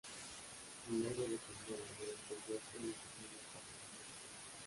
Milagro de la palmera: durante el viaje la familia pasa hambre y sed.